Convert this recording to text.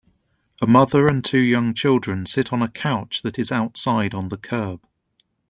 A mother and two young children sit on a couch that is outside on the curb.